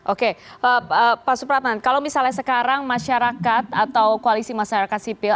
oke pak supratman kalau misalnya sekarang masyarakat atau koalisi masyarakat sipil